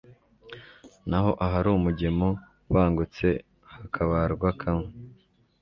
naho ahari umugemo ubangutse hakabarwa kamwe u